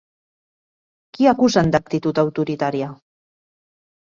Qui acusen d'actitud autoritària?